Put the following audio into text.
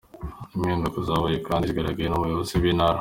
Impinduka zabaye kandi zagaragaye no mu bayobozi b’intara .